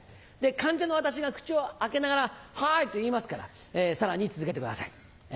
患者の私が口を開けながら「はい」と言いますからさらに続けてください。